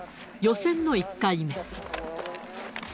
予選の１回目。